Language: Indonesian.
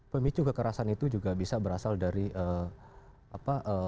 pemicu kekerasan itu bisa juga berasal dari apa